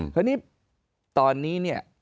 คราวนี้ตอนนี้เนี่ย